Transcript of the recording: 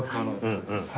うんうん。